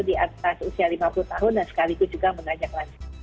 di atas usia lima puluh tahun dan sekaligus juga mengajak lansia